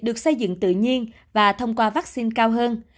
được xây dựng tự nhiên và thông qua vaccine cao hơn